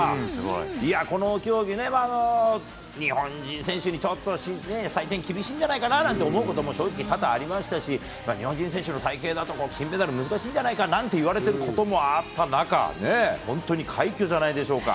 いや、この競技ね、日本人選手にちょっと、採点厳しいんじゃないかなと思うことも正直、多々ありましたし、日本人選手の体形だと金メダル難しいんじゃないかと言われてることもあった中、本当に快挙じゃないでしょうか。